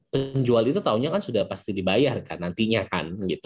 penjual itu taunya kan sudah pasti dibayar nantinya